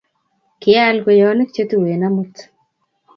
Kial kweyonik che tuen amut